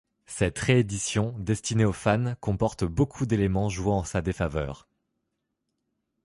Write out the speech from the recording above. Cette réédition, destinée aux fans, comporte beaucoup d'éléments jouant en sa défaveur.